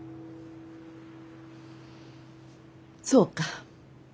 そうか。